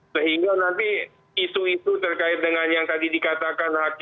sehingga nanti isu itu terkait dengan yang tadi dikatakan hakim